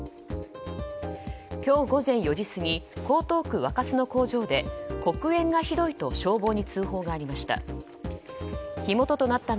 今日午前４時過ぎ江東区若洲の工場で黒煙がひどいと消防に通報がありました。